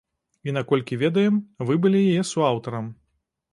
І наколькі ведаем, вы былі яе суаўтарам.